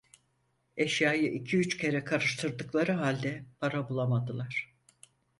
Eşyayı iki üç kere karıştırdıkları halde para bulamadılar.